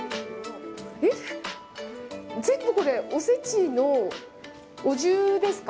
全部これ、おせちのお重ですか？